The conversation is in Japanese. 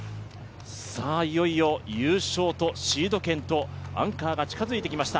いよいよ優勝とシード権とアンカーが近づいてきました。